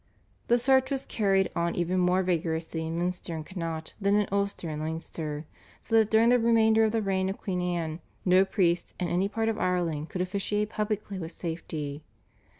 The search was carried on even more vigorously in Munster and Connaught than in Ulster and Leinster, so that during the remainder of the reign of Queen Anne no priest in any part of Ireland could officiate publicly with safety.